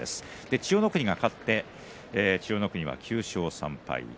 千代の国が勝って千代の国が９勝３敗です。